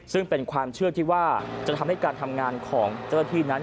ซึ่งเป็นความเชื่อที่ว่าจะทำให้การทำงานของเจ้าหน้าที่นั้น